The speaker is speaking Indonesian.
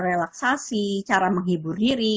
relaksasi cara menghibur diri